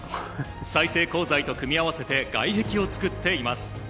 再生鋼材と組み合わせて外壁を作っています。